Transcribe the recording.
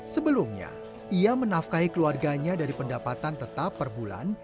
sebelumnya ia menafkahi keluarganya dari pendapatan tetap per bulan